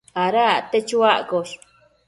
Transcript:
Ada acte chuaccosh